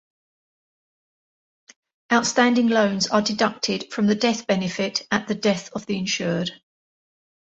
Outstanding loans are deducted from the death benefit at the death of the insured.